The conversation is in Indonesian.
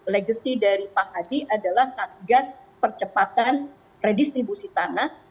legacy dari pak hadi adalah satgas percepatan redistribusi tanah